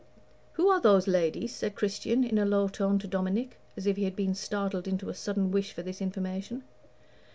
"Who are those ladies?" said Christian, in a low tone, to Dominic, as if he had been startled into a sudden wish for this information.